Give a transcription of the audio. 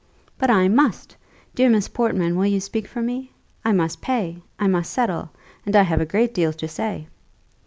"But I must. Dear Miss Portman, will you speak for me? I must pay I must settle and I have a great deal to say."